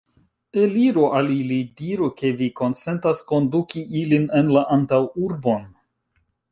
Eliru al ili, diru, ke vi konsentas konduki ilin en la antaŭurbon!